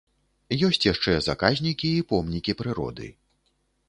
Ёсць яшчэ заказнікі і помнікі прыроды.